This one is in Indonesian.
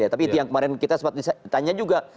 tapi itu yang kemarin kita sempat ditanya juga